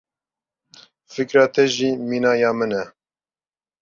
Fikra te jî mîna ya min e.